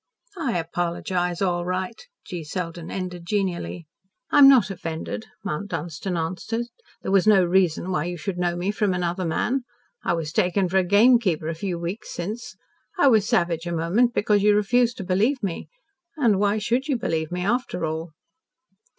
"I apologise, all right," G. Selden ended genially. "I am not offended," Mount Dunstan answered. "There was no reason why you should know me from another man. I was taken for a gamekeeper a few weeks since. I was savage a moment, because you refused to believe me and why should you believe me after all?"